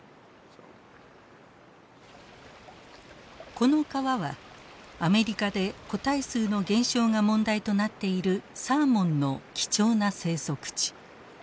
この川はアメリカで個体数の減少が問題となっているサーモンの貴重な生息地。